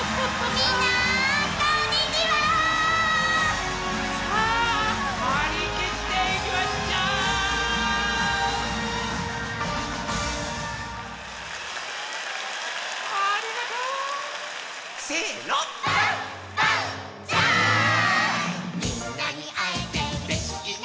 「みんなにあえてうれしいな」